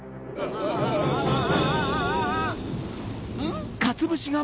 ん？